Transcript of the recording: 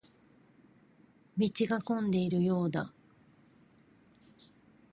道が混んでいるようだ。